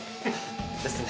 ですね。